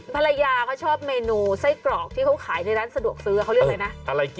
ภรรยาเขาชอบเมนูไส้กรอกที่เขาขายในร้านสะดวกซื้อเขาเรียกอะไรนะ